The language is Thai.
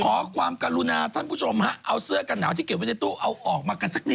ขอความการุณาท่านผู้ชมเอาเสื้อกระหนาวจากเกาะประเทศของเราเอาออกมาสักนิดเลย